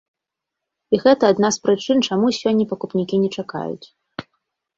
І гэта адна з прычын, чаму сёння пакупнікі не чакаюць.